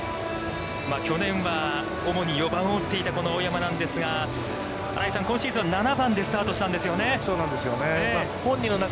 去年は主に４番を打っていた大山なんですが、新井さん、今シーズンは７番でスタートしたんですよね。